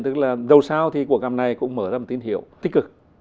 tức là đầu sao thì cuộc gặp này cũng mở ra một tín hiệu tích cực